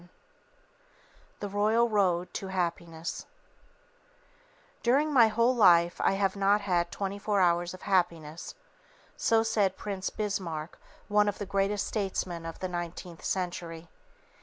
VII The Royal Road to Happiness "During my whole life I have not had twenty four hours of happiness." So said Prince Bismarck, one of the greatest statesmen of the nineteenth century.